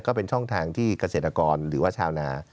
ก็เป็นช่องทางที่เกษตรกรหรือว่าชาวนา